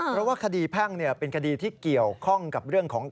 เพราะว่าคดีแพ่งเป็นคดีที่เกี่ยวข้องกับเรื่องของ